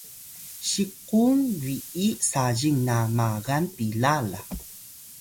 si kung bi’iy sazing na magan pila la